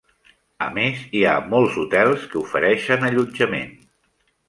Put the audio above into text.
A més, hi ha molts hotels que ofereixen allotjament.